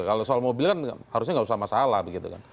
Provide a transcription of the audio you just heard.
kalau soal mobil kan harusnya nggak usah masalah begitu kan